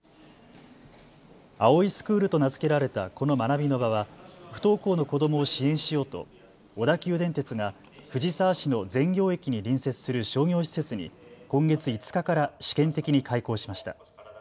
ＡＯｉスクールと名付けられたこの学びの場は不登校の子どもを支援しようと小田急電鉄が藤沢市の善行駅に隣接する商業施設に今月５日から試験的に開校しました。